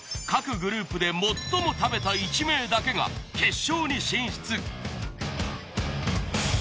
各グループで最も食べた１名だけが決勝に進出。